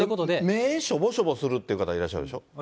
目しょぼしょぼするって方、いらっしゃるでしょ？